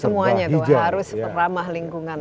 semuanya itu harus ramah lingkungan